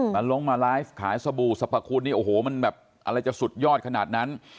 ลงมาไลฟ์ขายสบู่สรรพคุณนี่โอ้โหมันแบบอะไรจะสุดยอดขนาดนั้น